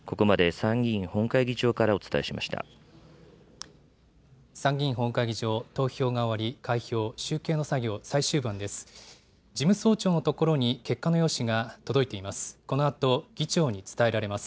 参議院本会議場、投票が終わり、開票・集計の作業、最終盤です。